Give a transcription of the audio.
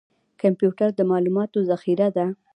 کمپیوټر د معلوماتو ذخیره ده